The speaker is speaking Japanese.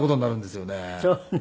そうね。